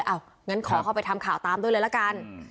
งั้นขอเข้าไปทำข่าวตามด้วยเลยละกัน